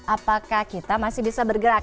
apakah kita masih bisa bergerak